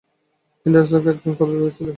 তিনি এন্ডারসনকে একজন কবি ভেবেছিলেন।